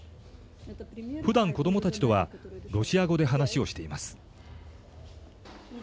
ふだん子どもたちとはロシア語で話をしています。